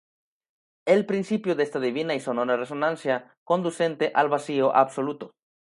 el principio de esta Divina y Sonora Resonancia conducente al vacío absoluto